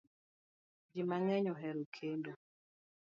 Ji mang'eny ohero kendo